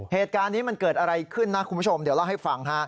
เหตุการณ์นี้มันเกิดอะไรขึ้นนะคุณผู้ชมเดี๋ยวเล่าให้ฟังฮะ